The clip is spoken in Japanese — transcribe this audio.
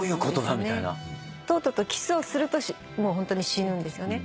トートとキスをするともうホントに死ぬんですよね。